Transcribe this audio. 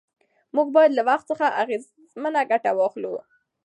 موږ باید له وخت څخه اغېزمنه ګټه واخلو